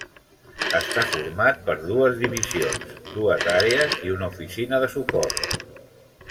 Està format per dues divisions, dues àrees i una oficina de suport.